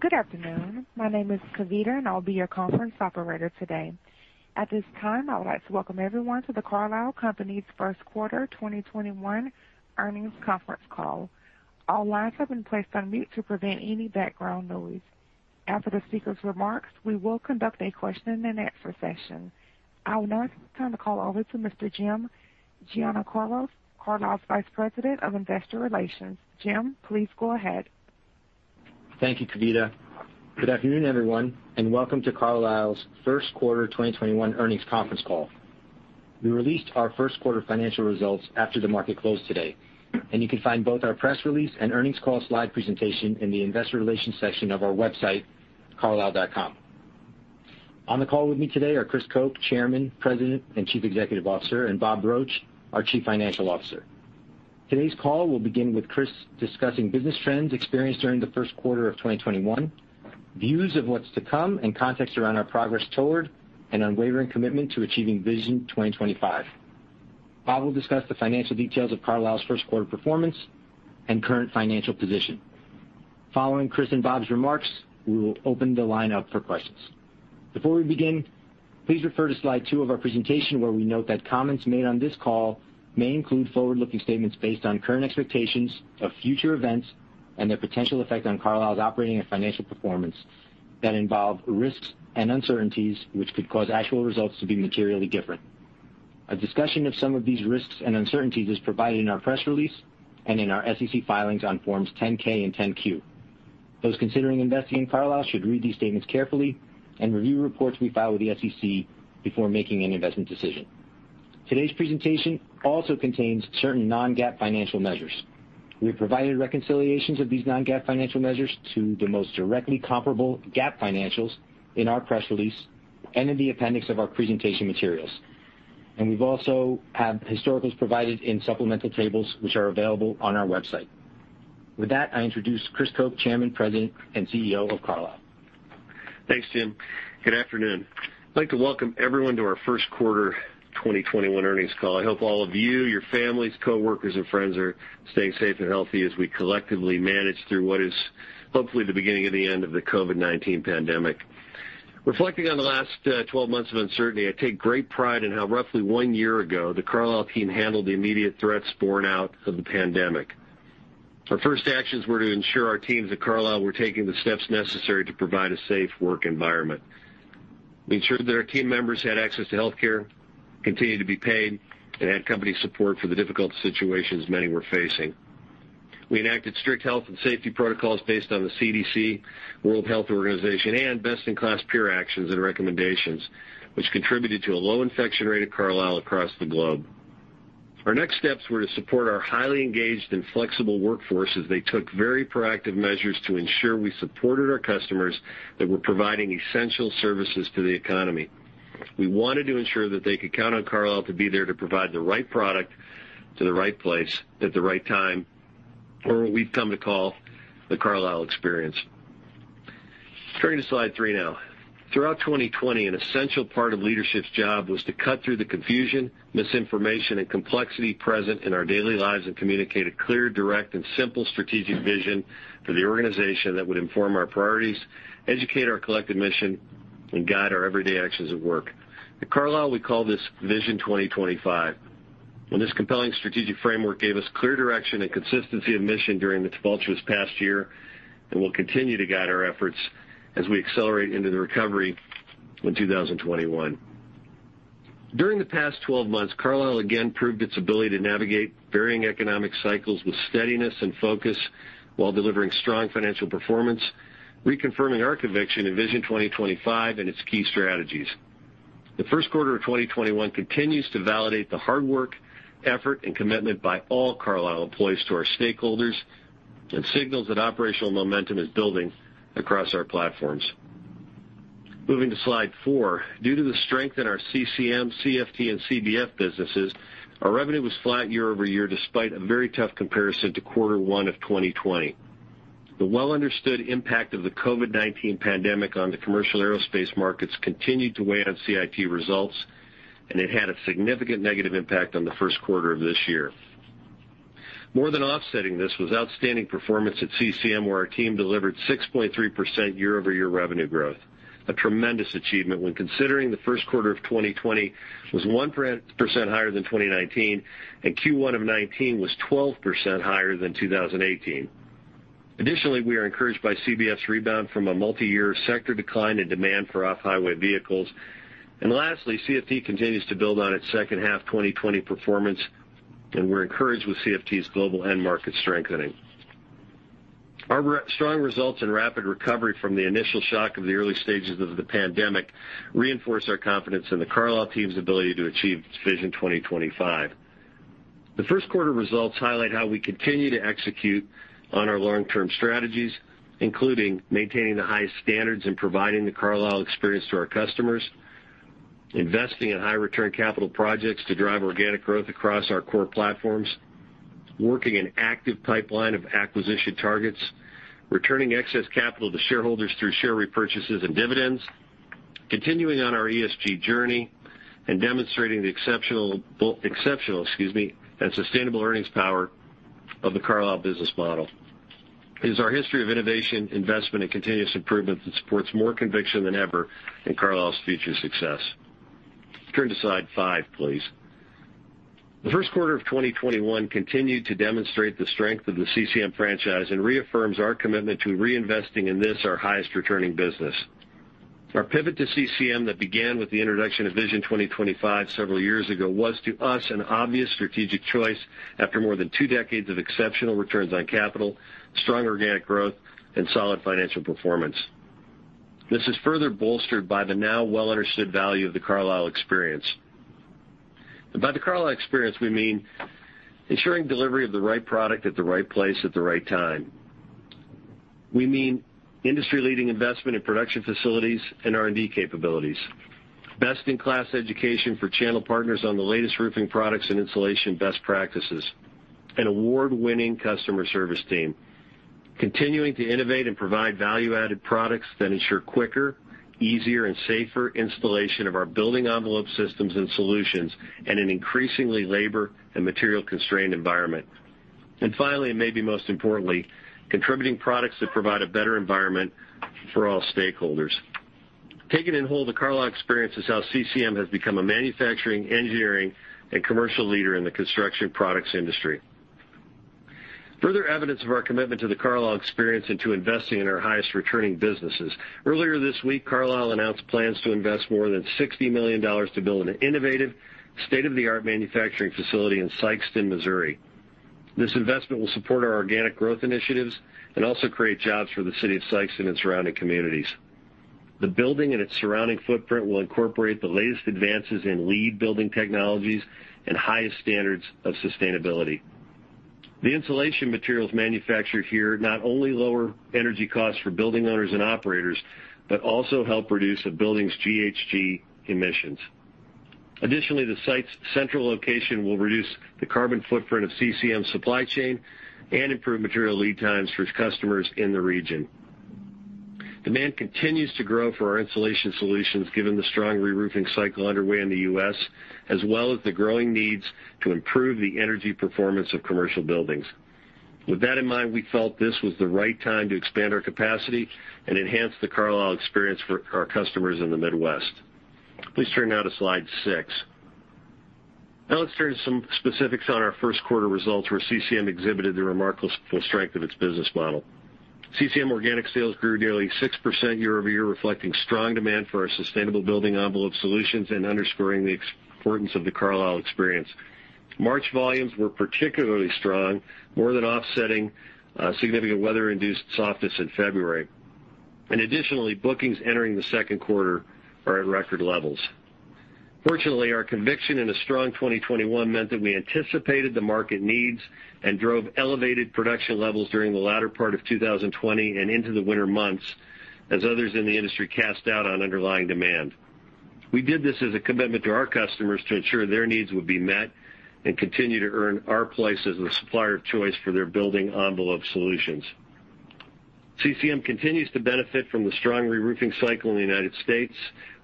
Good afternoon. My name is Kavita, and I'll be your conference operator today. At this time, I would like to welcome everyone to the Carlisle Companies' First Quarter 2021 Earnings Conference Call. All lines have been placed on mute to prevent any background noise. After the speakers' remarks, we will conduct a question-and-answer session. I will now turn the call over to Mr. Jim Giannakouros, Carlisle's Vice President of Investor Relations. Jim, please go ahead. Thank you, Kavita. Good afternoon, everyone, and welcome to Carlisle's first quarter 2021 earnings conference call. We released our first quarter financial results after the market closed today, and you can find both our press release and earnings call slide presentation in the Investor Relations section of our website, carlisle.com. On the call with me today are Chris Koch, Chairman, President, and Chief Executive Officer, and Bob Roche, our Chief Financial Officer. Today's call will begin with Chris discussing business trends experienced during the first quarter of 2021, views of what's to come, and context around our progress toward an unwavering commitment to achieving Vision 2025. Bob will discuss the financial details of Carlisle's first quarter performance and current financial position. Following Chris and Bob's remarks, we will open the line up for questions. Before we begin, please refer to slide 2 of our presentation where we note that comments made on this call may include forward-looking statements based on current expectations of future events and their potential effect on Carlisle's operating and financial performance that involve risks and uncertainties which could cause actual results to be materially different. A discussion of some of these risks and uncertainties is provided in our press release and in our SEC filings on Forms 10-K and 10-Q. Those considering investing in Carlisle should read these statements carefully and review reports we file with the SEC before making an investment decision. Today's presentation also contains certain non-GAAP financial measures. We have provided reconciliations of these non-GAAP financial measures to the most directly comparable GAAP financials in our press release and in the appendix of our presentation materials, and we also have historicals provided in supplemental tables which are available on our website. With that, I introduce Chris Koch, Chairman, President, and CEO of Carlisle. Thanks, Jim. Good afternoon. I'd like to welcome everyone to our first quarter 2021 earnings call. I hope all of you, your families, coworkers, and friends are staying safe and healthy as we collectively manage through what is hopefully the beginning of the end of the COVID-19 pandemic. Reflecting on the last 12 months of uncertainty, I take great pride in how roughly one year ago the Carlisle team handled the immediate threats borne out of the pandemic. Our first actions were to ensure our teams at Carlisle were taking the steps necessary to provide a safe work environment. We ensured that our team members had access to health care, continued to be paid, and had company support for the difficult situations many were facing. We enacted strict health and safety protocols based on the CDC, World Health Organization, and best-in-class peer actions and recommendations, which contributed to a low infection rate at Carlisle across the globe. Our next steps were to support our highly engaged and flexible workforce as they took very proactive measures to ensure we supported our customers that were providing essential services to the economy. We wanted to ensure that they could count on Carlisle to be there to provide the right product to the right place at the right time for what we've come to call the Carlisle Experience. Turning to slide 3 now. Throughout 2020, an essential part of leadership's job was to cut through the confusion, misinformation, and complexity present in our daily lives and communicate a clear, direct, and simple strategic vision for the organization that would inform our priorities, educate our collective mission, and guide our everyday actions of work. At Carlisle, we call this Vision 2025. This compelling strategic framework gave us clear direction and consistency of mission during the tumultuous past year and will continue to guide our efforts as we accelerate into the recovery in 2021. During the past 12 months, Carlisle again proved its ability to navigate varying economic cycles with steadiness and focus while delivering strong financial performance, reconfirming our conviction in Vision 2025 and its key strategies. The first quarter of 2021 continues to validate the hard work, effort, and commitment by all Carlisle employees to our stakeholders and signals that operational momentum is building across our platforms. Moving to slide 4, due to the strength in our CCM, CFT, and CBF businesses, our revenue was flat year over year despite a very tough comparison to quarter one of 2020. The well-understood impact of the COVID-19 pandemic on the commercial aerospace markets continued to weigh on CIT results, and it had a significant negative impact on the first quarter of this year. More than offsetting this was outstanding performance at CCM, where our team delivered 6.3% year-over-year revenue growth, a tremendous achievement when considering the first quarter of 2020 was 1% higher than 2019, and Q1 of 2019 was 12% higher than 2018. Additionally, we are encouraged by CBF's rebound from a multi-year sector decline in demand for off-highway vehicles, and lastly, CFT continues to build on its second half 2020 performance, and we're encouraged with CFT's global end market strengthening. Our strong results and rapid recovery from the initial shock of the early stages of the pandemic reinforce our confidence in the Carlisle team's ability to achieve Vision 2025. The first quarter results highlight how we continue to execute on our long-term strategies, including maintaining the highest standards and providing the Carlisle Experience to our customers, investing in high-return capital projects to drive organic growth across our core platforms, working an active pipeline of acquisition targets, returning excess capital to shareholders through share repurchases and dividends, continuing on our ESG journey, and demonstrating the exceptional and sustainable earnings power of the Carlisle business model. It is our history of innovation, investment, and continuous improvement that supports more conviction than ever in Carlisle's future success. Turn to slide five, please. The first quarter of 2021 continued to demonstrate the strength of the CCM franchise and reaffirms our commitment to reinvesting in this, our highest returning business. Our pivot to CCM that began with the introduction of Vision 2025 several years ago was, to us, an obvious strategic choice after more than two decades of exceptional returns on capital, strong organic growth, and solid financial performance. This is further bolstered by the now well-understood value of the Carlisle Experience, and by the Carlisle Experience, we mean ensuring delivery of the right product at the right place at the right time. We mean industry-leading investment in production facilities and R&D capabilities, best-in-class education for channel partners on the latest roofing products and installation best practices, and award-winning customer service team, continuing to innovate and provide value-added products that ensure quicker, easier, and safer installation of our building envelope systems and solutions in an increasingly labor and material-constrained environment. And finally, and maybe most importantly, contributing products that provide a better environment for all stakeholders. Taken in whole, the Carlisle Experience is how CCM has become a manufacturing, engineering, and commercial leader in the construction products industry. Further evidence of our commitment to the Carlisle Experience and to investing in our highest returning businesses. Earlier this week, Carlisle announced plans to invest more than $60 million to build an innovative, state-of-the-art manufacturing facility in Sikeston, Missouri. This investment will support our organic growth initiatives and also create jobs for the city of Sikeston and its surrounding communities. The building and its surrounding footprint will incorporate the latest advances in LEED building technologies and highest standards of sustainability. The insulation materials manufactured here not only lower energy costs for building owners and operators but also help reduce a building's GHG emissions. Additionally, the site's central location will reduce the carbon footprint of CCM's supply chain and improve material lead times for customers in the region. Demand continues to grow for our insulation solutions given the strong reroofing cycle underway in the U.S., as well as the growing needs to improve the energy performance of commercial buildings. With that in mind, we felt this was the right time to expand our capacity and enhance the Carlisle Experience for our customers in the Midwest. Please turn now to slide 6. Now let's turn to some specifics on our first quarter results where CCM exhibited the remarkable strength of its business model. CCM organic sales grew nearly 6% year-over-year, reflecting strong demand for our sustainable building envelope solutions and underscoring the importance of the Carlisle Experience. March volumes were particularly strong, more than offsetting significant weather-induced softness in February, and additionally, bookings entering the second quarter are at record levels. Fortunately, our conviction in a strong 2021 meant that we anticipated the market needs and drove elevated production levels during the latter part of 2020 and into the winter months as others in the industry cast doubt on underlying demand. We did this as a commitment to our customers to ensure their needs would be met and continue to earn our place as the supplier of choice for their building envelope solutions. CCM continues to benefit from the strong reroofing cycle in the United States.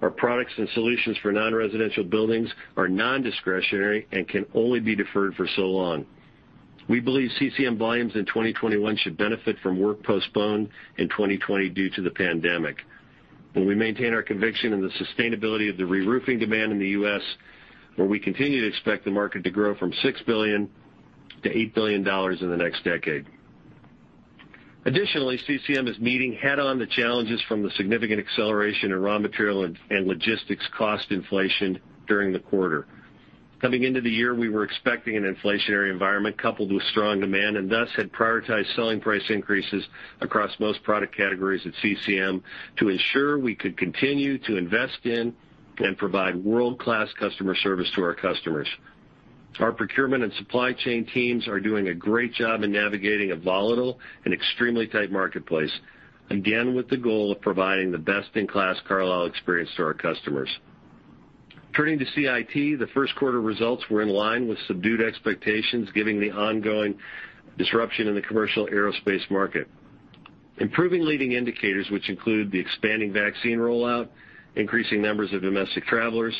Our products and solutions for non-residential buildings are non-discretionary and can only be deferred for so long. We believe CCM volumes in 2021 should benefit from work postponed in 2020 due to the pandemic, and we maintain our conviction in the sustainability of the reroofing demand in the U.S., where we continue to expect the market to grow from $6 billion to $8 billion in the next decade. Additionally, CCM is meeting head-on the challenges from the significant acceleration in raw material and logistics cost inflation during the quarter. Coming into the year, we were expecting an inflationary environment coupled with strong demand and thus had prioritized selling price increases across most product categories at CCM to ensure we could continue to invest in and provide world-class customer service to our customers. Our procurement and supply chain teams are doing a great job in navigating a volatile and extremely tight marketplace, again with the goal of providing the best-in-class Carlisle Experience to our customers. Turning to CIT, the first quarter results were in line with subdued expectations, given the ongoing disruption in the commercial aerospace market. Improving leading indicators, which include the expanding vaccine rollout, increasing numbers of domestic travelers,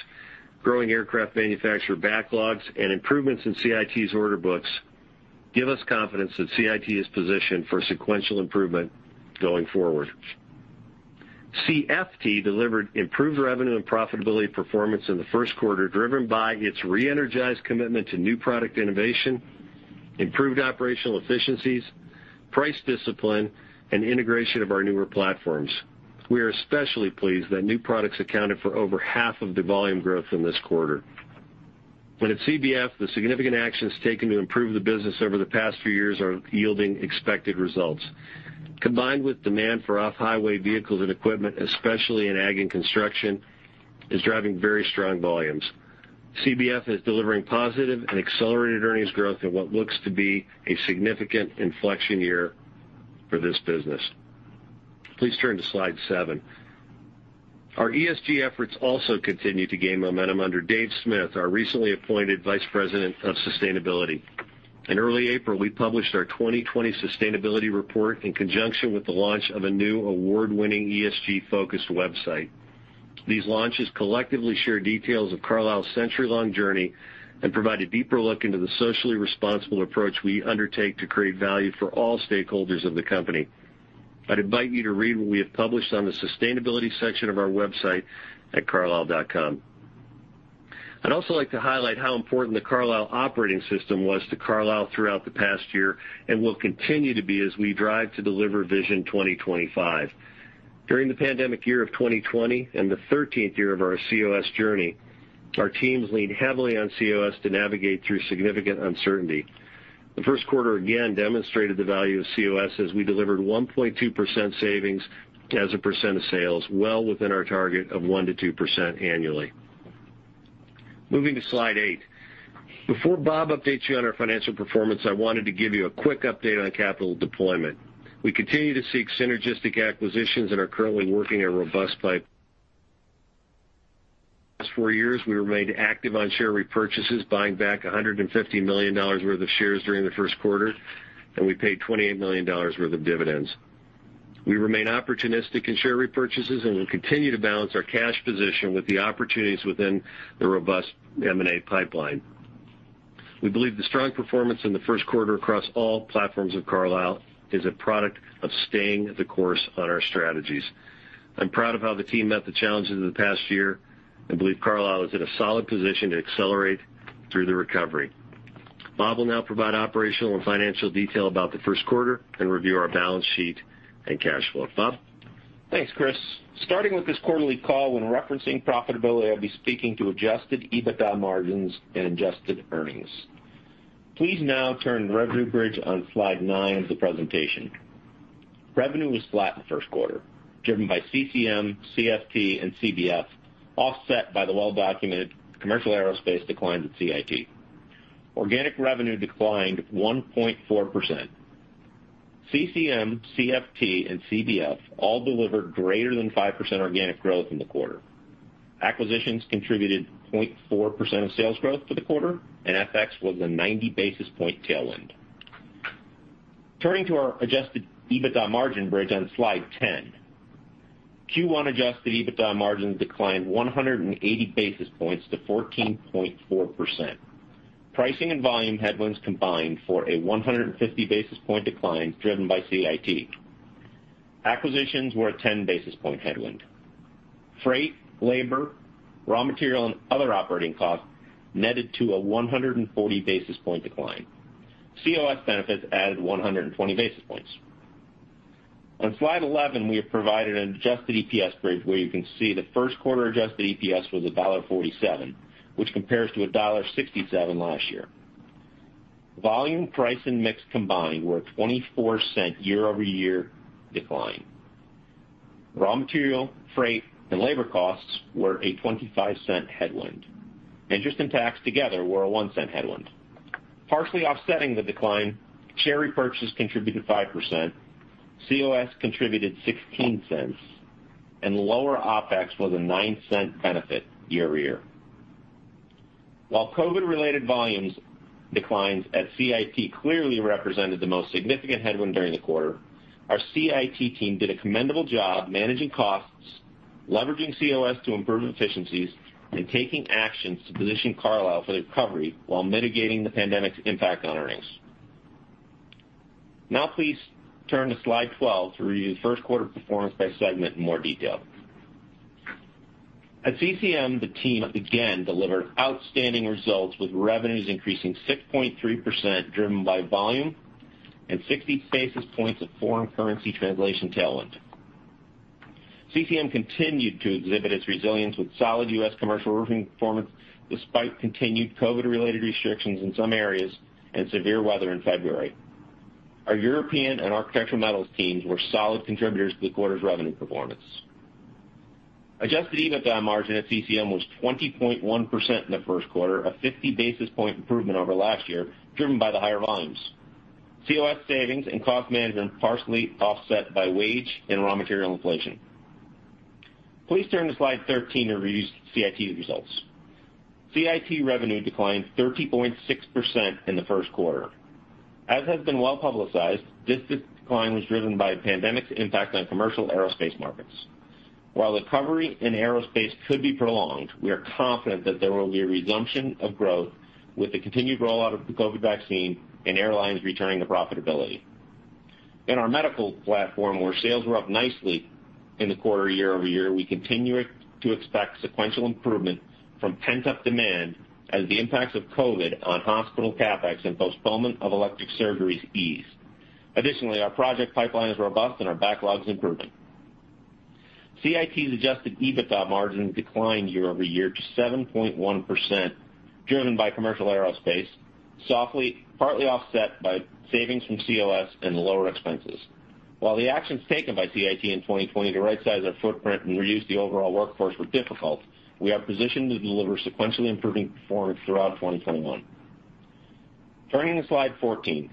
growing aircraft manufacturer backlogs, and improvements in CIT's order books, give us confidence that CIT is positioned for sequential improvement going forward. CFT delivered improved revenue and profitability performance in the first quarter, driven by its re-energized commitment to new product innovation, improved operational efficiencies, price discipline, and integration of our newer platforms. We are especially pleased that new products accounted for over half of the volume growth in this quarter. At CBF, the significant actions taken to improve the business over the past few years are yielding expected results. Combined with demand for off-highway vehicles and equipment, especially in ag and construction, is driving very strong volumes. CBF is delivering positive and accelerated earnings growth in what looks to be a significant inflection year for this business. Please turn to slide 7. Our ESG efforts also continue to gain momentum under Dave Smith, our recently appointed Vice President of Sustainability. In early April, we published our 2020 sustainability report in conjunction with the launch of a new award-winning ESG-focused website. These launches collectively share details of Carlisle's century-long journey and provide a deeper look into the socially responsible approach we undertake to create value for all stakeholders of the company. I'd invite you to read what we have published on the sustainability section of our website at carlisle.com. I'd also like to highlight how important the Carlisle Operating System was to Carlisle throughout the past year and will continue to be as we drive to deliver Vision 2025. During the pandemic year of 2020 and the 13th year of our COS journey, our teams leaned heavily on COS to navigate through significant uncertainty. The first quarter again demonstrated the value of COS as we delivered 1.2% savings as a percent of sales, well within our target of 1%-2% annually. Moving to slide eight. Before Bob updates you on our financial performance, I wanted to give you a quick update on capital deployment. We continue to seek synergistic acquisitions and are currently working a robust pipeline. For years, we remained active on share repurchases, buying back $150 million worth of shares during the first quarter, and we paid $28 million worth of dividends. We remain opportunistic in share repurchases and will continue to balance our cash position with the opportunities within the robust M&A pipeline. We believe the strong performance in the first quarter across all platforms of Carlisle is a product of staying the course on our strategies. I'm proud of how the team met the challenges of the past year and believe Carlisle is in a solid position to accelerate through the recovery. Bob will now provide operational and financial detail about the first quarter and review our balance sheet and cash flow. Bob? Thanks, Chris. Starting with this quarterly call, when referencing profitability, I'll be speaking to adjusted EBITDA margins and adjusted earnings. Please now turn to Revenue Bridge on slide 9 of the presentation. Revenue was flat in the first quarter, driven by CCM, CFT, and CBF, offset by the well-documented commercial aerospace decline at CIT. Organic revenue declined 1.4%. CCM, CFT, and CBF all delivered greater than 5% organic growth in the quarter. Acquisitions contributed 0.4% of sales growth for the quarter, and FX was a 90 basis point tailwind. Turning to our adjusted EBITDA margin bridge on slide 10, Q1 adjusted EBITDA margins declined 180 basis points to 14.4%. Pricing and volume headwinds combined for a 150 basis point decline driven by CIT. Acquisitions were a 10 basis point headwind. Freight, labor, raw material, and other operating costs netted to a 140 basis point decline. COS benefits added 120 basis points. On slide 11, we have provided an adjusted EPS bridge where you can see the first quarter adjusted EPS was $1.47, which compares to $1.67 last year. Volume, price, and mix combined were a $0.24 year-over-year decline. Raw material, freight, and labor costs were a $0.25 headwind. Interest and tax together were a $0.01 headwind. Partially offsetting the decline, share repurchase contributed 5%, COS contributed $0.16, and lower OpEx was a $0.09 benefit year-over-year. While COVID-related volume declines at CIT clearly represented the most significant headwind during the quarter, our CIT team did a commendable job managing costs, leveraging COS to improve efficiencies, and taking actions to position Carlisle for the recovery while mitigating the pandemic's impact on earnings. Now please turn to slide 12 to review the first quarter performance by segment in more detail. At CCM, the team again delivered outstanding results with revenues increasing 6.3% driven by volume and 60 basis points of foreign currency translation tailwind. CCM continued to exhibit its resilience with solid U.S. commercial roofing performance despite continued COVID-related restrictions in some areas and severe weather in February. Our European and architectural metals teams were solid contributors to the quarter's revenue performance. Adjusted EBITDA margin at CCM was 20.1% in the first quarter, a 50 basis points improvement over last year, driven by the higher volumes. COS savings and cost management partially offset by wage and raw material inflation. Please turn to slide 13 to review CIT results. CIT revenue declined 30.6% in the first quarter. As has been well publicized, this decline was driven by pandemic's impact on commercial aerospace markets. While recovery in aerospace could be prolonged, we are confident that there will be a resumption of growth with the continued rollout of the COVID vaccine and airlines returning to profitability. In our medical platform, where sales were up nicely in the quarter year-over-year, we continue to expect sequential improvement from pent-up demand as the impacts of COVID on hospital CapEx and postponement of elective surgeries ease. Additionally, our project pipeline is robust and our backlog is improving. CIT's adjusted EBITDA margin declined year-over-year to 7.1%, driven by commercial aerospace, partly offset by savings from COS and lower expenses. While the actions taken by CIT in 2020 to right-size our footprint and reduce the overall workforce were difficult, we are positioned to deliver sequentially improving performance throughout 2021. Turning to slide 14,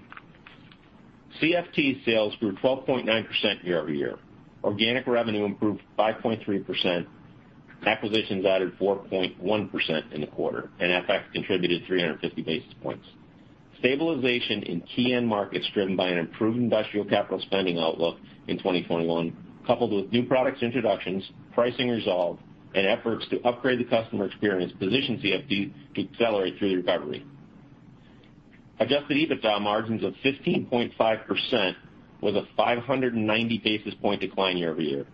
CFT sales grew 12.9% year-over-year. Organic revenue improved 5.3%, acquisitions added 4.1% in the quarter, and FX contributed 350 basis points. Stabilization in key end markets driven by an improved industrial capital spending outlook in 2021, coupled with new product introductions, pricing resolve, and efforts to upgrade the customer experience position CFT to accelerate through the recovery. Adjusted EBITDA margins of 15.5% with a 590 basis points decline year-over-year.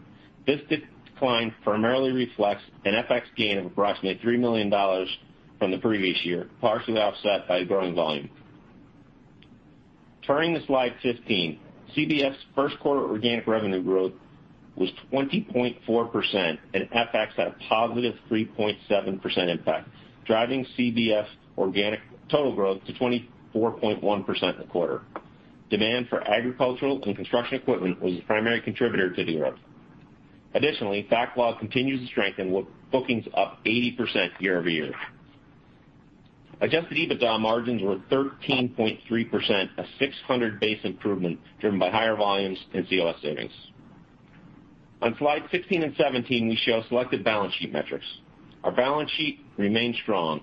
This decline primarily reflects an FX gain of approximately $3 million from the previous year, partially offset by growing volume. Turning to slide 15, CBF's first quarter organic revenue growth was 20.4%, and FX had a positive 3.7% impact, driving CBF's organic total growth to 24.1% in the quarter. Demand for agricultural and construction equipment was the primary contributor to the growth. Additionally, backlog continues to strengthen, with bookings up 80% year-over-year. Adjusted EBITDA margins were 13.3%, a 600 basis points improvement driven by higher volumes and COS savings. On slides 16 and 17, we show selected balance sheet metrics. Our balance sheet remained strong.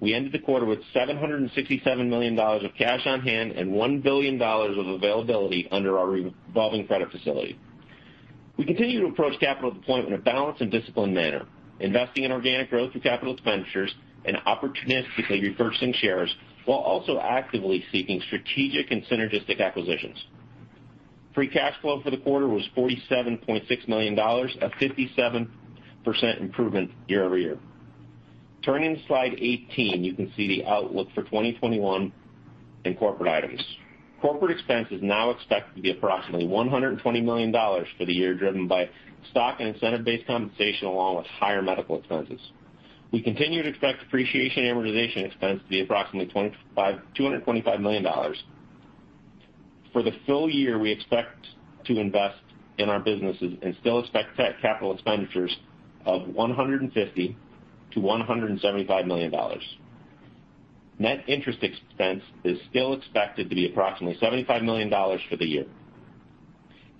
We ended the quarter with $767 million of cash on hand and $1 billion of availability under our revolving credit facility. We continue to approach capital deployment in a balanced and disciplined manner, investing in organic growth through capital expenditures and opportunistically repurchasing shares, while also actively seeking strategic and synergistic acquisitions. Free cash flow for the quarter was $47.6 million, a 57% improvement year-over-year. Turning to slide 18, you can see the outlook for 2021 in corporate items. Corporate expenses now expect to be approximately $120 million for the year, driven by stock and incentive-based compensation, along with higher medical expenses. We continue to expect depreciation amortization expense to be approximately $225 million. For the full year, we expect to invest in our businesses and still expect capital expenditures of $150 million-$175 million. Net interest expense is still expected to be approximately $75 million for the year,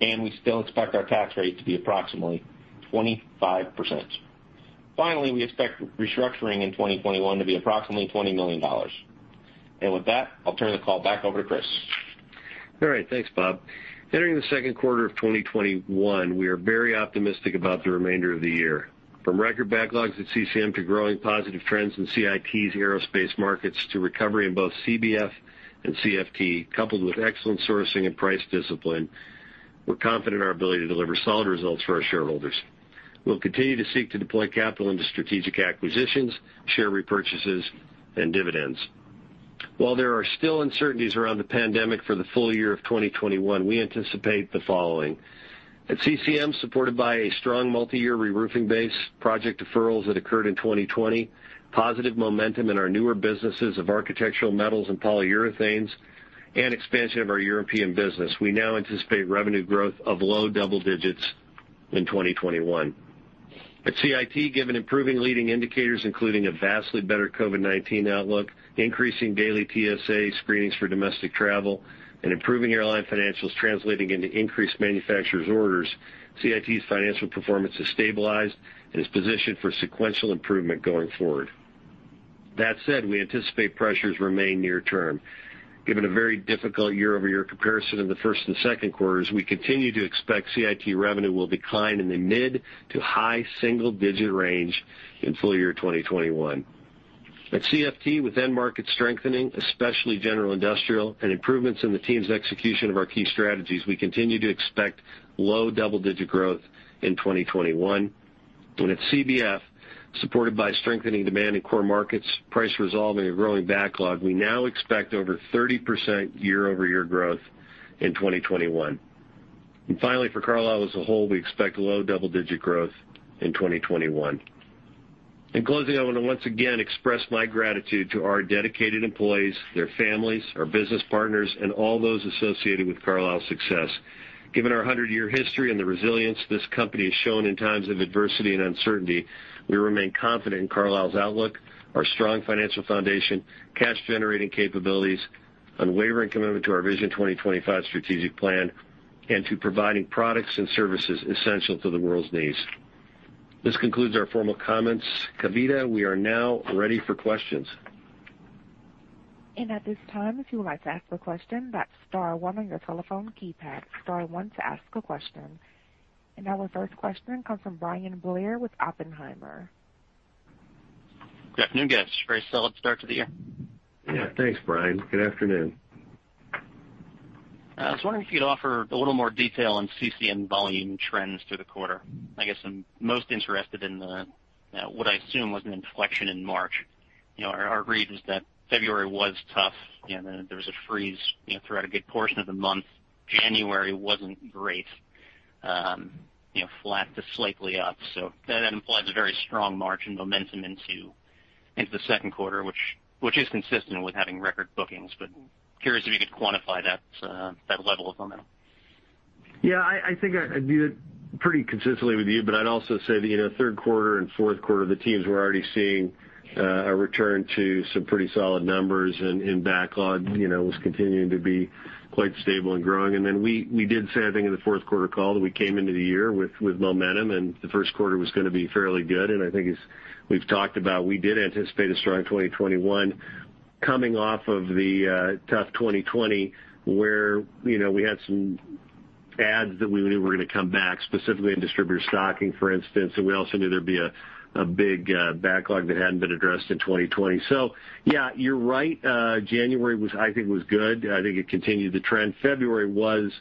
and we still expect our tax rate to be approximately 25%. Finally, we expect restructuring in 2021 to be approximately $20 million. And with that, I'll turn the call back over to Chris. All right. Thanks, Bob. Entering the second quarter of 2021, we are very optimistic about the remainder of the year. From record backlogs at CCM to growing positive trends in CIT's aerospace markets to recovery in both CBF and CFT, coupled with excellent sourcing and price discipline, we're confident in our ability to deliver solid results for our shareholders. We'll continue to seek to deploy capital into strategic acquisitions, share repurchases, and dividends. While there are still uncertainties around the pandemic for the full year of 2021, we anticipate the following. At CCM, supported by a strong multi-year reroofing base project deferrals that occurred in 2020, positive momentum in our newer businesses of architectural metals and polyurethanes, and expansion of our European business, we now anticipate revenue growth of low double digits in 2021. At CIT, given improving leading indicators, including a vastly better COVID-19 outlook, increasing daily TSA screenings for domestic travel, and improving airline financials translating into increased manufacturers' orders, CIT's financial performance has stabilized and is positioned for sequential improvement going forward. That said, we anticipate pressures remain near term. Given a very difficult year-over-year comparison in the first and second quarters, we continue to expect CIT revenue will decline in the mid to high single-digit range in full year 2021. At CFT, with end market strengthening, especially general industrial, and improvements in the team's execution of our key strategies, we continue to expect low double-digit growth in 2021. And at CBF, supported by strengthening demand in core markets, price realization, and growing backlog, we now expect over 30% year-over-year growth in 2021. And finally, for Carlisle as a whole, we expect low double-digit growth in 2021. In closing, I want to once again express my gratitude to our dedicated employees, their families, our business partners, and all those associated with Carlisle's success. Given our 100-year history and the resilience this company has shown in times of adversity and uncertainty, we remain confident in Carlisle's outlook, our strong financial foundation, cash-generating capabilities, unwavering commitment to our Vision 2025 strategic plan, and to providing products and services essential to the world's needs. This concludes our formal comments. Kavita, we are now ready for questions. And at this time, if you would like to ask a question, that's star one on your telephone keypad. Star one to ask a question. And our first question comes from Bryan Blair with Oppenheimer. Good afternoon, guys. Very solid start to the year. Yeah, thanks, Bryan. Good afternoon. I was wondering if you could offer a little more detail on CCM volume trends through the quarter. I guess I'm most interested in what I assume was an inflection in March. Our read was that February was tough, and there was a freeze throughout a good portion of the month. January wasn't great, flat to slightly up. So that implies a very strong margin momentum into the second quarter, which is consistent with having record bookings. But curious if you could quantify that level of momentum. Yeah, I think I view it pretty consistently with you, but I'd also say that in the third quarter and fourth quarter, the teams were already seeing a return to some pretty solid numbers, and backlog was continuing to be quite stable and growing. And then we did say, I think, in the fourth quarter call that we came into the year with momentum, and the first quarter was going to be fairly good. And I think we've talked about we did anticipate a strong 2021 coming off of the tough 2020, where we had some adds that we knew were going to come back, specifically in distributor stocking, for instance. And we also knew there'd be a big backlog that hadn't been addressed in 2020. So yeah, you're right. January, I think, was good. I think it continued the trend. February was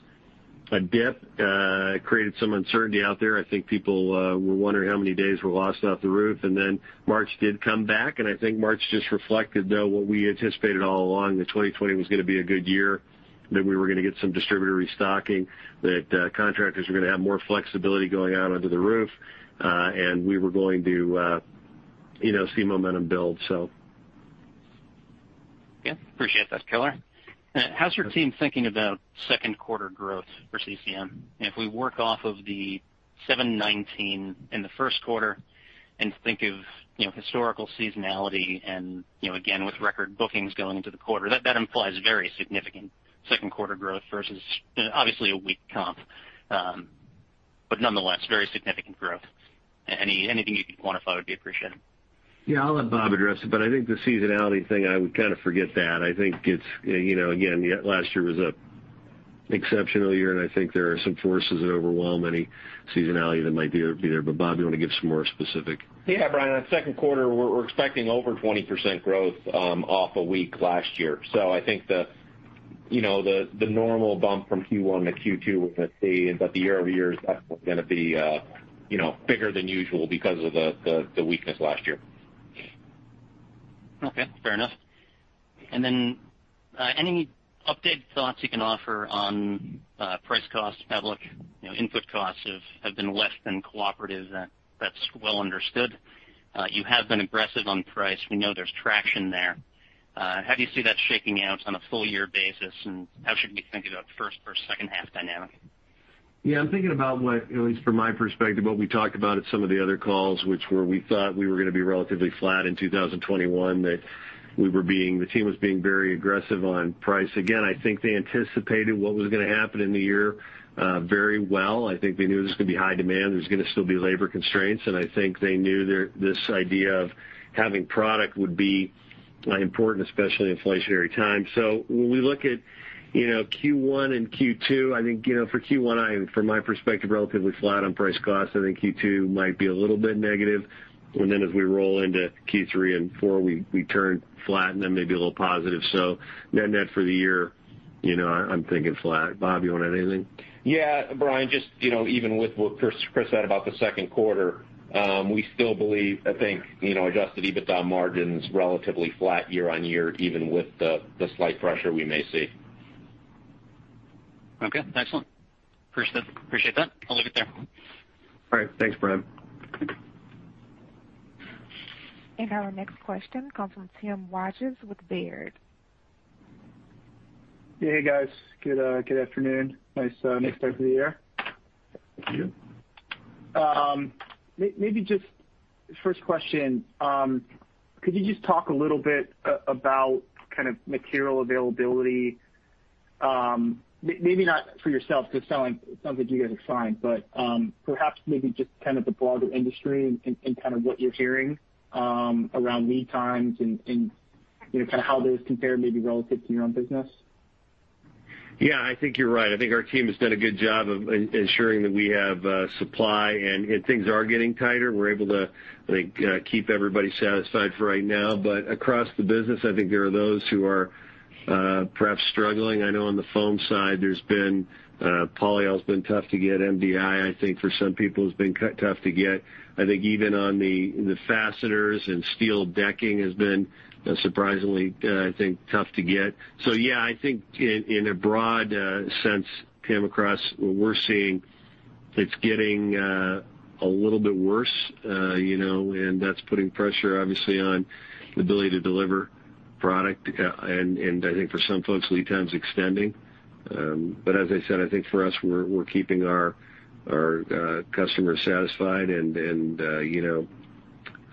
a dip. It created some uncertainty out there. I think people were wondering how many days were lost off the roof. And then March did come back. And I think March just reflected, though, what we anticipated all along. The 2020 was going to be a good year, that we were going to get some distributor restocking, that contractors were going to have more flexibility going out onto the roof, and we were going to see momentum build, so. Yeah, appreciate that color. How's your team thinking about second quarter growth for CCM? If we work off of the 719 in the first quarter and think of historical seasonality and, again, with record bookings going into the quarter, that implies very significant second quarter growth versus, obviously, a weak comp. But nonetheless, very significant growth. Anything you can quantify would be appreciated. Yeah, I'll let Bob address it, but I think the seasonality thing, I would kind of forget that. I think, again, last year was an exceptional year, and I think there are some forces that overwhelm any seasonality that might be there. But Bob, do you want to give some more specific? Yeah, Bryan, that second quarter, we're expecting over 20% growth off a weak last year. So I think the normal bump from Q1 to Q2 we're going to see, but the year-over-year is definitely going to be bigger than usual because of the weakness last year. Okay, fair enough. And then any updated thoughts you can offer on price-cost outlook? Input costs have been less than cooperative. That's well understood. You have been aggressive on price. We know there's traction there. How do you see that shaking out on a full year basis, and how should we think about the first or second half dynamic? Yeah, I'm thinking about, at least from my perspective, what we talked about at some of the other calls, which were we thought we were going to be relatively flat in 2021, that the team was being very aggressive on price. Again, I think they anticipated what was going to happen in the year very well. I think they knew there was going to be high demand. There was going to still be labor constraints, and I think they knew that this idea of having product would be important, especially in inflationary times. So when we look at Q1 and Q2, I think for Q1, from my perspective, relatively flat on price-cost. I think Q2 might be a little bit negative. And then as we roll into Q3 and Q4, we turn flat and then maybe a little positive. So net-net for the year, I'm thinking flat. Bob, you want to add anything? Yeah, Bryan, just even with what Chris said about the second quarter, we still believe, I think, Adjusted EBITDA margins relatively flat year-on-year, even with the slight pressure we may see. Okay, excellent. Appreciate that. I'll leave it there. All right, thanks, Brian. And our next question, Tim Wojs with Baird. Yeah, hey, guys. Good afternoon. Nice start to the year. Thank you. Maybe just first question, could you just talk a little bit about kind of material availability? Maybe not for yourself, because it sounds like you guys are fine, but perhaps maybe just kind of the broader industry and kind of what you're hearing around lead times and kind of how those compare maybe relative to your own business. Yeah, I think you're right. I think our team has done a good job of ensuring that we have supply, and things are getting tighter. We're able to keep everybody satisfied for right now. But across the business, I think there are those who are perhaps struggling. I know on the foam side, polyol's been tough to get. MDI, I think, for some people has been tough to get. I think even on the fasteners and steel decking has been surprisingly, I think, tough to get. So yeah, I think in a broad sense, Tim, across what we're seeing, it's getting a little bit worse, and that's putting pressure, obviously, on the ability to deliver product. And I think for some folks, lead time's extending. But as I said, I think for us, we're keeping our customers satisfied and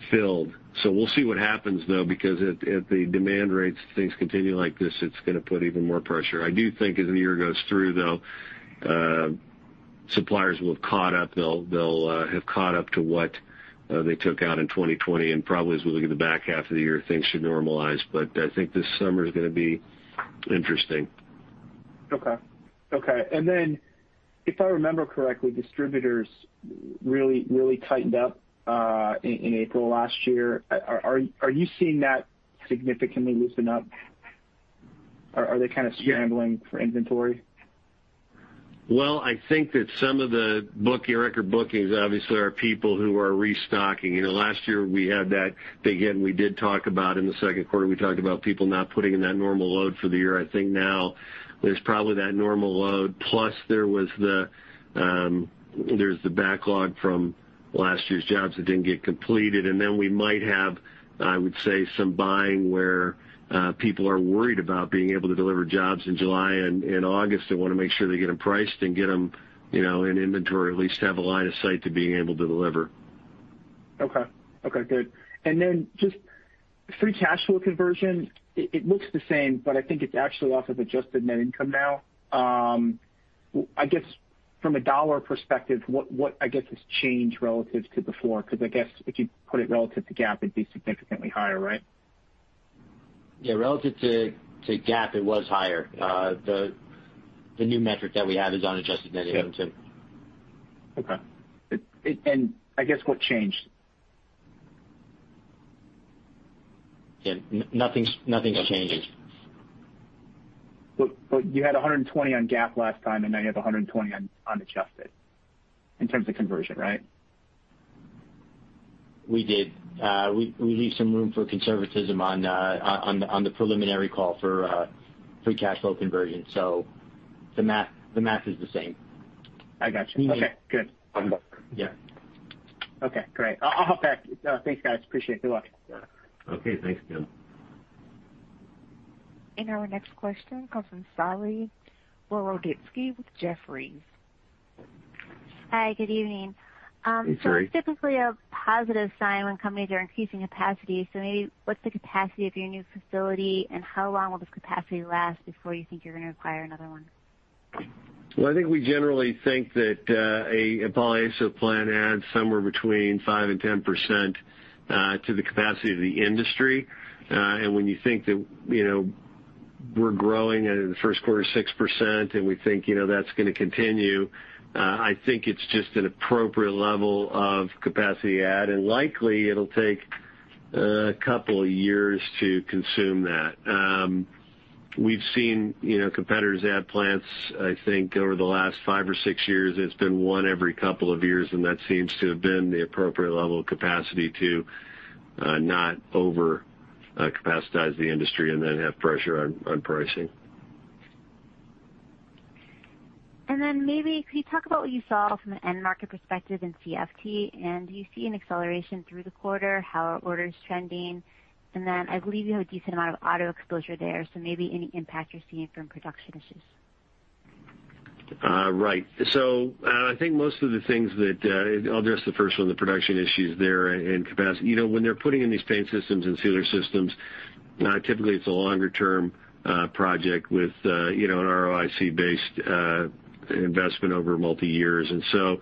filled. So we'll see what happens, though, because at the demand rates, things continue like this, it's going to put even more pressure. I do think as the year goes through, though, suppliers will have caught up. They'll have caught up to what they took out in 2020. And probably as we look at the back half of the year, things should normalize. But I think this summer is going to be interesting. Okay. And then if I remember correctly, distributors really tightened up in April last year. Are you seeing that significantly loosen up? Are they kind of scrambling for inventory? Well, I think that some of the record bookings, obviously, are people who are restocking. Last year, we had that thing again. We did talk about in the second quarter, we talked about people not putting in that normal load for the year. I think now there's probably that normal load, plus there's the backlog from last year's jobs that didn't get completed. And then we might have, I would say, some buying where people are worried about being able to deliver jobs in July and August and want to make sure they get them priced and get them in inventory, at least have a line of sight to being able to deliver. Okay, good. And then just free cash flow conversion, it looks the same, but I think it's actually off of adjusted net income now. I guess from a dollar perspective, what I guess has changed relative to before? Because I guess if you put it relative to GAAP, it'd be significantly higher, right? Yeah, relative to GAAP, it was higher. The new metric that we have is on adjusted net income, too. Okay. And I guess what changed? Yeah, nothing's changed. But you had 120 on GAAP last time, and now you have 120 on adjusted in terms of conversion, right? We did. We leave some room for conservatism on the preliminary call for free cash flow conversion. So the math is the same. I got it. Okay, good. Yeah. Okay, great. I'll hop back. Thanks, guys. Appreciate it. Good luck. Okay, thanks, Tim. And our next question comes from Saree Boroditsky with Jefferies. Hi, good evening. It's typically a positive sign when companies are increasing capacity. So maybe what's the capacity of your new facility, and how long will this capacity last before you think you're going to require another one? Well, I think we generally think that a polyiso plant adds somewhere between 5%-10% to the capacity of the industry. And when you think that we're growing in the first quarter 6%, and we think that's going to continue, I think it's just an appropriate level of capacity to add. And likely, it'll take a couple of years to consume that. We've seen competitors add plants, I think, over the last five or six years. It's been one every couple of years, and that seems to have been the appropriate level of capacity to not overcapacitate the industry and then have pressure on pricing. And then maybe could you talk about what you saw from an end market perspective in CFT, and do you see an acceleration through the quarter? How are orders trending? And then I believe you have a decent amount of auto exposure there, so maybe any impact you're seeing from production issues. Right. So I think most of the things that I'll address the first one, the production issues there and capacity. When they're putting in these paint systems and sealer systems, typically it's a longer-term project with an ROIC-based investment over multi-years. And so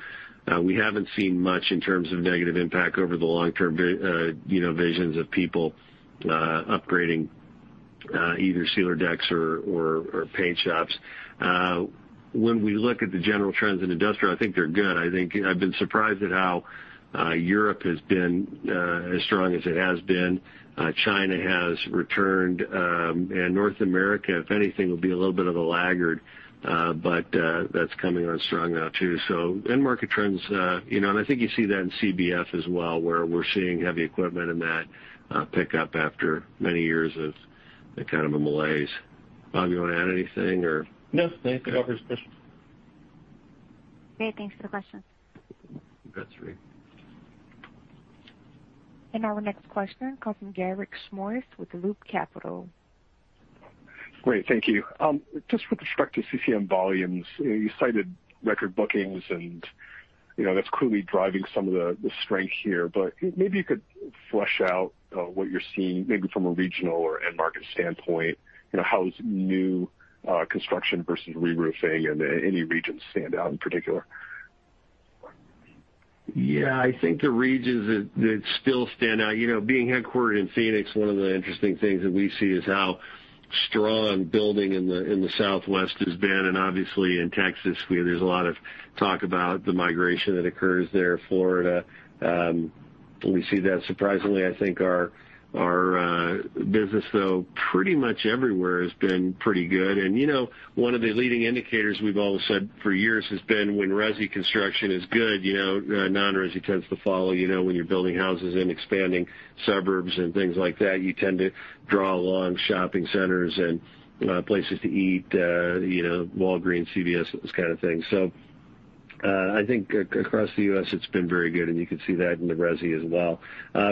we haven't seen much in terms of negative impact over the long-term visions of people upgrading either sealer decks or paint shops. When we look at the general trends in industrial, I think they're good. I think I've been surprised at how Europe has been as strong as it has been. China has returned, and North America, if anything, will be a little bit of a laggard, but that's coming on strong now too. So end market trends, and I think you see that in CBF as well, where we're seeing heavy equipment in that pickup after many years of kind of a malaise. Bob, you want to add anything, or? No, thank you. That covers the question. Great. Thanks for the question. That's great. And our next question comes from Garik Shmois with Loop Capital. Great. Thank you. Just with respect to CCM volumes, you cited record bookings, and that's clearly driving some of the strength here. But maybe you could flesh out what you're seeing maybe from a regional or end market standpoint, how does new construction versus reroofing in any regions stand out in particular? Yeah, I think the regions that still stand out, being headquartered in Phoenix, one of the interesting things that we see is how strong building in the Southwest has been, and obviously, in Texas, there's a lot of talk about the migration that occurs there, Florida. We see that surprisingly. I think our business, though, pretty much everywhere has been pretty good, and one of the leading indicators we've always said for years has been when resi construction is good, non-resi tends to follow. When you're building houses and expanding suburbs and things like that, you tend to draw along shopping centers and places to eat, Walgreens, CVS, those kind of things, so I think across the U.S., it's been very good, and you can see that in the resi as well.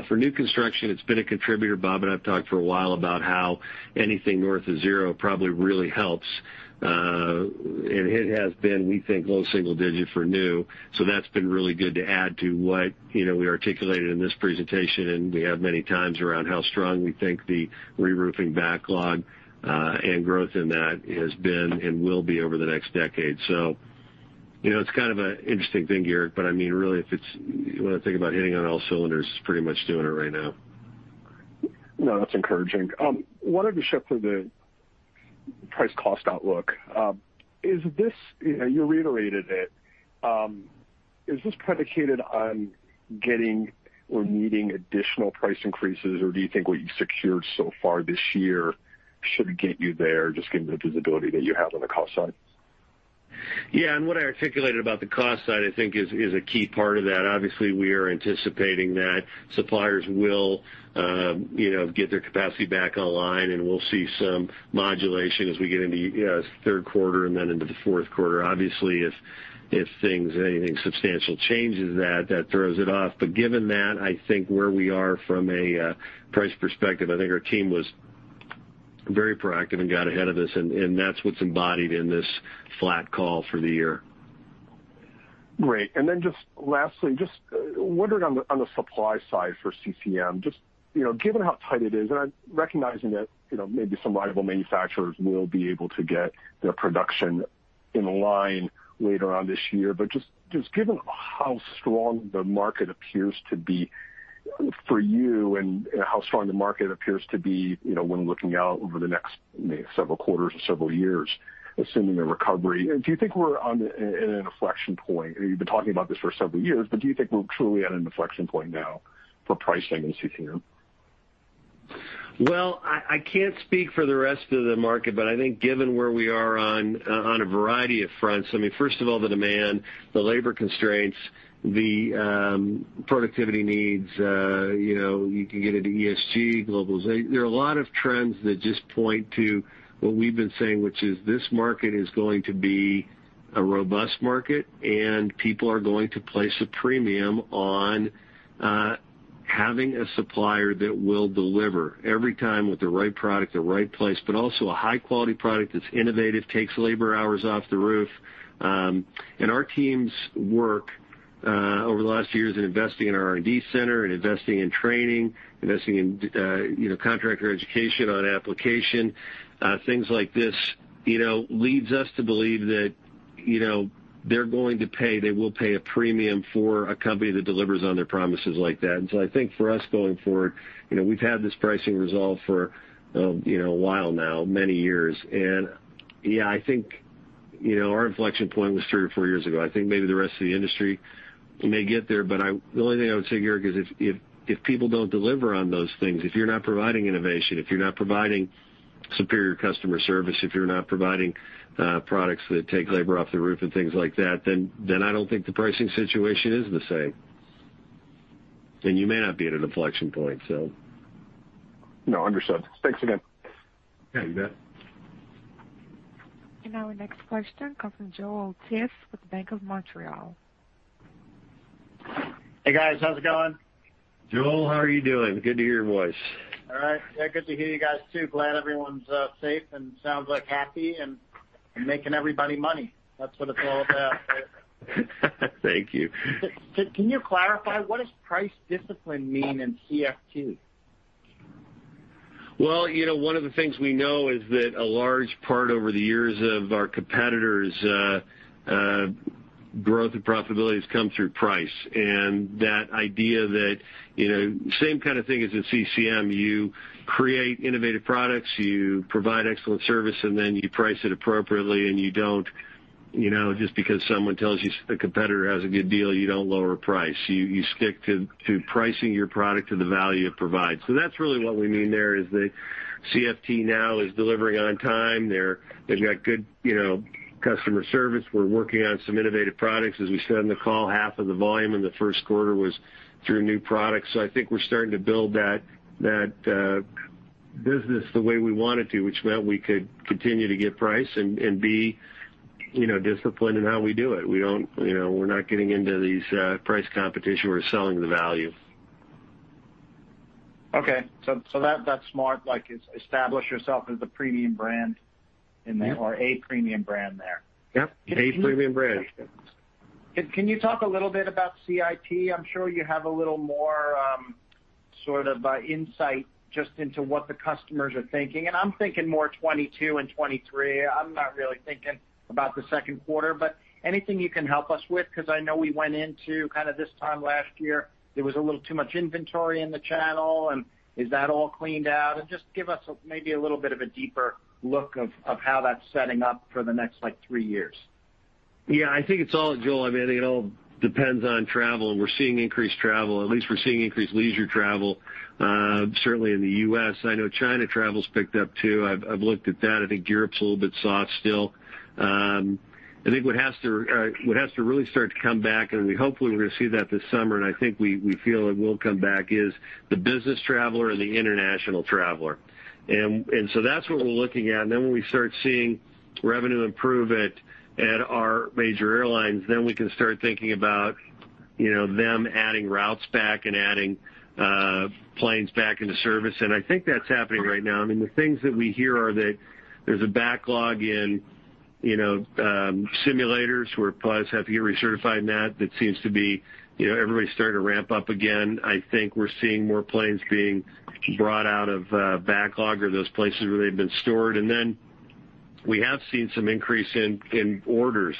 For new construction, it's been a contributor. Bob and I've talked for a while about how anything north of zero probably really helps. And it has been, we think, low single-digit for new. So that's been really good to add to what we articulated in this presentation, and we have many times around how strong we think the reroofing backlog and growth in that has been and will be over the next decade. So it's kind of an interesting thing, Garik, but I mean, really, if you want to think about hitting on all cylinders, it's pretty much doing it right now. No, that's encouraging. Wanted to shift to the price cost outlook. You reiterated it. Is this predicated on getting or needing additional price increases, or do you think what you've secured so far this year should get you there, just given the visibility that you have on the cost side? Yeah, and what I articulated about the cost side, I think, is a key part of that. Obviously, we are anticipating that suppliers will get their capacity back online, and we'll see some modulation as we get into third quarter and then into the fourth quarter. Obviously, if anything substantial changes that, that throws it off. But given that, I think where we are from a price perspective, I think our team was very proactive and got ahead of this, and that's what's embodied in this flat call for the year. Great. And then, just lastly, just wondering on the supply side for CCM, just given how tight it is, and recognizing that maybe some rival manufacturers will be able to get their production in line later on this year, but just given how strong the market appears to be for you and how strong the market appears to be when looking out over the next several quarters or several years, assuming a recovery, do you think we're on an inflection point? You've been talking about this for several years, but do you think we're truly at an inflection point now for pricing in CCM? Well, I can't speak for the rest of the market, but I think given where we are on a variety of fronts. I mean, first of all, the demand, the labor constraints, the productivity needs. You can get into ESG, globalization. There are a lot of trends that just point to what we've been saying, which is this market is going to be a robust market, and people are going to place a premium on having a supplier that will deliver every time with the right product, the right place, but also a high-quality product that's innovative, takes labor hours off the roof. And our teams work over the last years in investing in R&D center and investing in training, investing in contractor education on application, things like this leads us to believe that they're going to pay. They will pay a premium for a company that delivers on their promises like that. And so I think for us going forward, we've had this pricing resolve for a while now, many years. And yeah, I think our inflection point was three or four years ago. I think maybe the rest of the industry may get there, but the only thing I would say, Garik, is if people don't deliver on those things, if you're not providing innovation, if you're not providing superior customer service, if you're not providing products that take labor off the roof and things like that, then I don't think the pricing situation is the same. And you may not be at an inflection point, so. No, understood. Thanks again. Yeah, you bet. And our next question comes from Joel Tiss with the Bank of Montreal. Hey, guys. How's it going? Joel, how are you doing? Good to hear your voice. All right. Yeah, good to hear you guys too. Glad everyone's safe and sounds like happy and making everybody money. That's what it's all about. Thank you. Can you clarify what does price discipline mean in CFT? One of the things we know is that a large part over the years of our competitors' growth and profitability has come through price. That idea, that same kind of thing as in CCM, you create innovative products, you provide excellent service, and then you price it appropriately, and you don't just because someone tells you a competitor has a good deal. You don't lower price. You stick to pricing your product to the value it provides. That's really what we mean there is that CFT now is delivering on time. They've got good customer service. We're working on some innovative products. As we said on the call, half of the volume in the first quarter was through new products. I think we're starting to build that business the way we want it to, which meant we could continue to get price and be disciplined in how we do it. We're not getting into these price competition. We're selling the value. Okay. So that's smart. Establish yourself as the premium brand in there or a premium brand there. Yep. A premium brand. Can you talk a little bit about CIT? I'm sure you have a little more sort of insight just into what the customers are thinking. And I'm thinking more 2022 and 2023. I'm not really thinking about the second quarter, but anything you can help us with? Because I know we went into kind of this time last year, there was a little too much inventory in the channel, and is that all cleaned out? And just give us maybe a little bit of a deeper look at how that's setting up for the next three years. Yeah, I think it's all, Joel. I mean, I think it all depends on travel. And we're seeing increased travel. At least we're seeing increased leisure travel, certainly in the U.S. I know China travel's picked up too. I've looked at that. I think Europe's a little bit soft still. I think what has to really start to come back, and hopefully we're going to see that this summer, and I think we feel it will come back, is the business traveler and the international traveler. And so that's what we're looking at. And then when we start seeing revenue improve at our major airlines, then we can start thinking about them adding routes back and adding planes back into service. And I think that's happening right now. I mean, the things that we hear are that there's a backlog in simulators where pilots have to get recertified in that. That seems to be everybody's starting to ramp up again. I think we're seeing more planes being brought out of backlog or those places where they've been stored. And then we have seen some increase in orders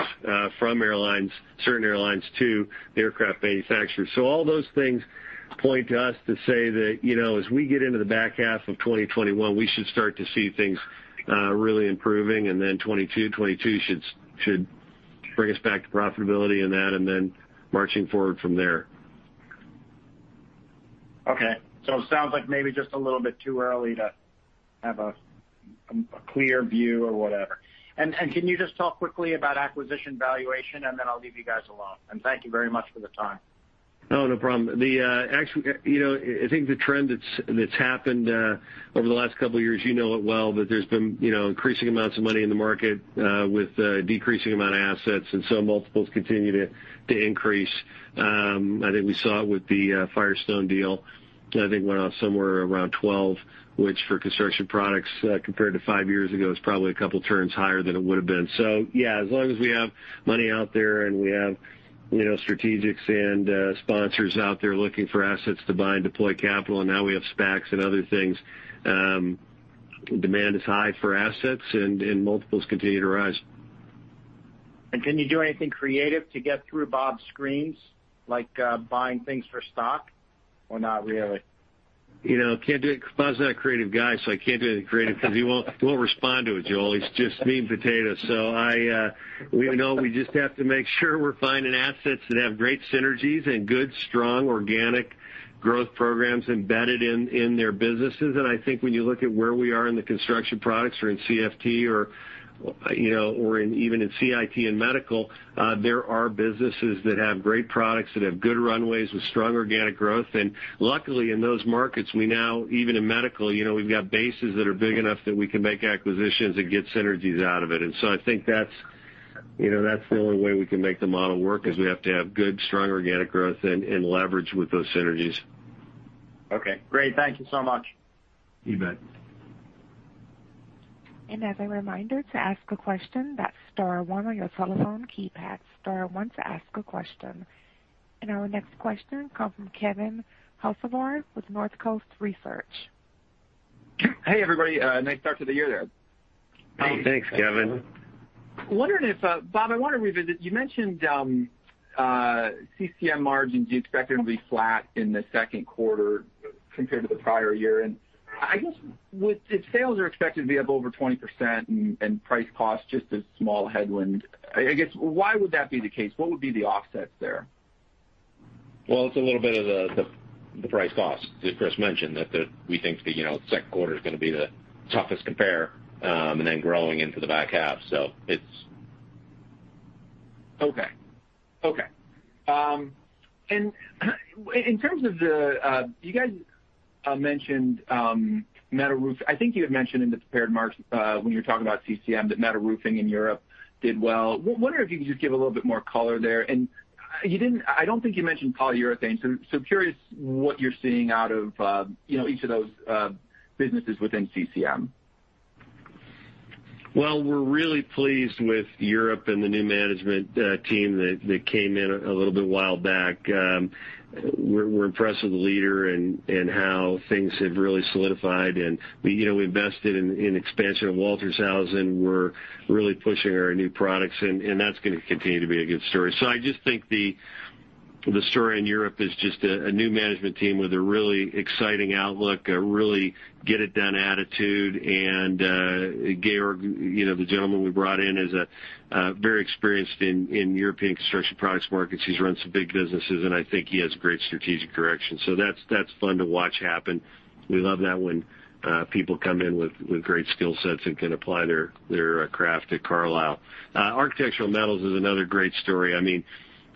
from airlines, certain airlines too, aircraft manufacturers. So all those things point to us to say that as we get into the back half of 2021, we should start to see things really improving. And then 2022, 2022 should bring us back to profitability in that and then marching forward from there. Okay. So it sounds like maybe just a little bit too early to have a clear view or whatever. And can you just talk quickly about acquisition valuation, and then I'll leave you guys alone? Thank you very much for the time. Oh, no problem. Actually, I think the trend that's happened over the last couple of years, you know it well, but there's been increasing amounts of money in the market with decreasing amount of assets, and so multiples continue to increase. I think we saw it with the Firestone deal. I think it went off somewhere around 12, which for construction products compared to five years ago is probably a couple turns higher than it would have been. So yeah, as long as we have money out there and we have strategics and sponsors out there looking for assets to buy and deploy capital, and now we have SPACs and other things, demand is high for assets, and multiples continue to rise. Can you do anything creative to get through Bob's screens, like buying things for stock, or not really? Can't do it. Bob's not a creative guy, so I can't do anything creative because he won't respond to it, Joel. He's just mean potato. So we just have to make sure we're finding assets that have great synergies and good, strong, organic growth programs embedded in their businesses. And I think when you look at where we are in the construction products or in CFT or even in CIT and medical, there are businesses that have great products that have good runways with strong organic growth. And luckily, in those markets, we now, even in medical, we've got bases that are big enough that we can make acquisitions and get synergies out of it. And so I think that's the only way we can make the model work is we have to have good, strong organic growth and leverage with those synergies. Okay. Great. Thank you so much. You bet. And as a reminder to ask a question, that's star one on your telephone keypad. Star one to ask a question. And our next question comes from Kevin Hocevar with Northcoast Research. Hey, everybody. Nice start to the year there. Thanks, Kevin. Wondering if Bob, I want to revisit. You mentioned CCM margins, you expect them to be flat in the second quarter compared to the prior year. And I guess if sales are expected to be up over 20% and price cost just a small headwind, I guess why would that be the case? What would be the offsets there? Well, it's a little bit of the price cost that Chris mentioned that we think the second quarter is going to be the toughest compare and then growing into the back half. So it's. Okay. And in terms of the you guys mentioned metal roofs. I think you had mentioned in the prepared remarks when you were talking about CCM that metal roofing in Europe did well. Wondering if you could just give a little bit more color there. And I don't think you mentioned polyurethane. So curious what you're seeing out of each of those businesses within CCM. We're really pleased with Europe and the new management team that came in a little bit while back. We're impressed with the leader and how things have really solidified. We invested in expansion of Waltershausen and we're really pushing our new products, and that's going to continue to be a good story. The story in Europe is just a new management team with a really exciting outlook, a really get-it-done attitude. Georg, the gentleman we brought in, is very experienced in European construction products markets. He's run some big businesses, and I think he has great strategic direction. So that's fun to watch happen. We love that when people come in with great skill sets and can apply their craft at Carlisle. Architectural metals is another great story. I mean,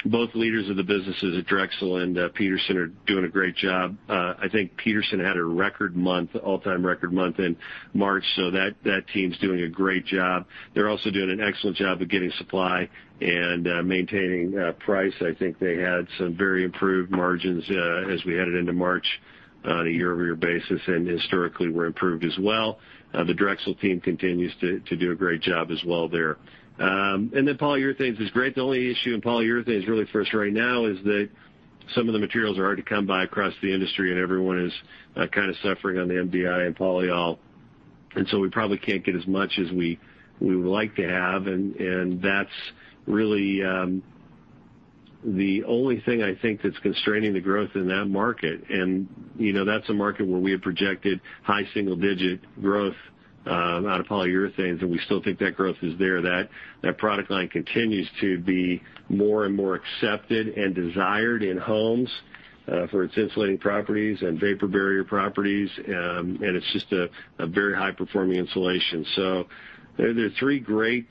both leaders of the businesses at Drexel and Petersen are doing a great job. I think Petersen had a record month, all-time record month in March, so that team's doing a great job. They're also doing an excellent job of getting supply and maintaining price. I think they had some very improved margins as we headed into March on a year-over-year basis, and historically, we're improved as well. The Drexel team continues to do a great job as well there. And then polyurethane is great. The only issue in polyurethane is really for us right now is that some of the materials are hard to come by across the industry, and everyone is kind of suffering on the MDI and polyol, and so we probably can't get as much as we would like to have, and that's really the only thing I think that's constraining the growth in that market, and that's a market where we have projected high single-digit growth out of polyurethanes, and we still think that growth is there. That product line continues to be more and more accepted and desired in homes for its insulating properties and vapor barrier properties, and it's just a very high-performing insulation, so there are three great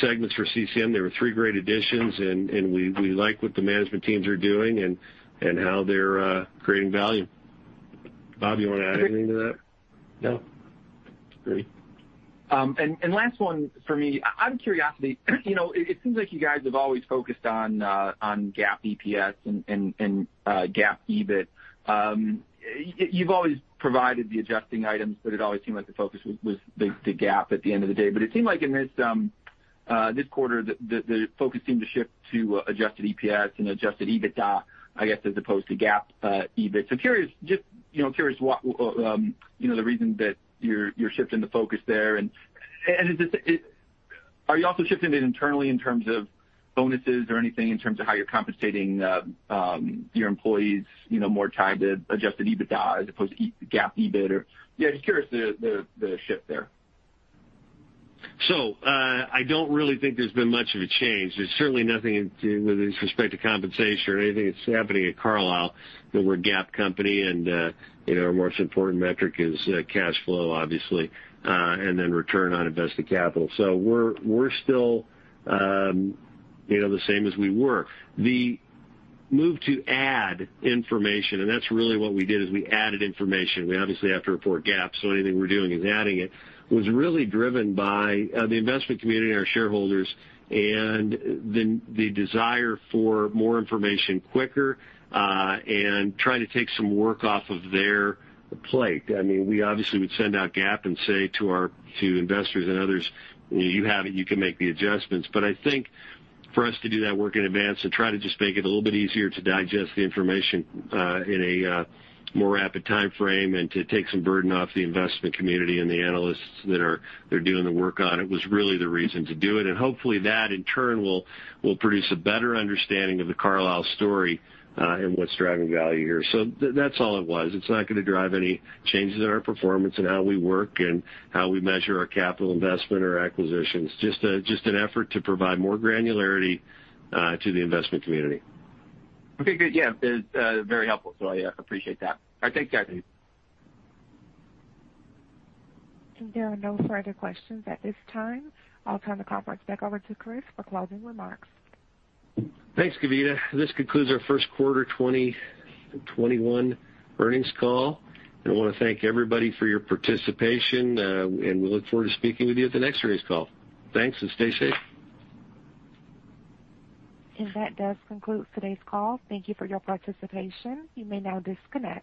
segments for CCM. There were three great additions, and we like what the management teams are doing and how they're creating value. Bob, do you want to add anything to that? No. Great. And last one for me. Out of curiosity, it seems like you guys have always focused on GAAP EPS and GAAP EBIT. You've always provided the adjusting items, but it always seemed like the focus was the GAAP at the end of the day. But it seemed like in this quarter, the focus seemed to shift to adjusted EPS and adjusted EBITDA, I guess, as opposed to GAAP EBIT. So curious, just curious what the reason that you're shifting the focus there. And are you also shifting it internally in terms of bonuses or anything in terms of how you're compensating your employees more tied to adjusted EBITDA as opposed to GAAP EBIT? Or yeah, just curious the shift there. I don't really think there's been much of a change. There's certainly nothing with respect to compensation or anything that's happening at Carlisle that we're a GAAP company, and our most important metric is cash flow, obviously, and then return on invested capital. So we're still the same as we were. The move to add information, and that's really what we did, is we added information. We obviously have to report GAAP, so anything we're doing is adding it, was really driven by the investment community, our shareholders, and the desire for more information quicker and trying to take some work off of their plate. I mean, we obviously would send out GAAP and say to investors and others, "You have it. You can make the adjustments.” But I think for us to do that work in advance and try to just make it a little bit easier to digest the information in a more rapid timeframe and to take some burden off the investment community and the analysts that are doing the work on it was really the reason to do it. And hopefully, that in turn will produce a better understanding of the Carlisle story and what's driving value here. So that's all it was. It's not going to drive any changes in our performance and how we work and how we measure our capital investment or acquisitions. Just an effort to provide more granularity to the investment community. Okay. Good. Very helpful. So I appreciate that. All right. Thanks, guys. There are no further questions at this time. I'll turn the conference back over to Chris for closing remarks. Thanks, Kavita. This concludes our first quarter 2021 earnings call, and I want to thank everybody for your participation, and we look forward to speaking with you at the next earnings call. Thanks, and stay safe. And that does conclude today's call. Thank you for your participation. You may now disconnect.